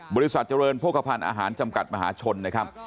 บริษัทเจริญโภคภัณฑ์อาหารจำกัดมหาชนนะครับ